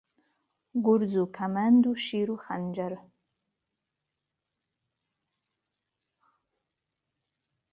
گورز و کهمهند و شیر وخەنجەره